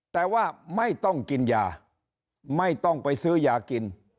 แต่ว่าไม่ต้องกินยาไม่ต้องไปซื้อยากิน